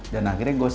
dan akhirnya gue slave